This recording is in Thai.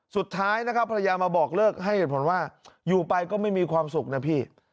สุดท้ายนะครับภรรยามาบอกเลิกให้เหตุผลว่าอยู่ไปก็ไม่มีความสุขนะพี่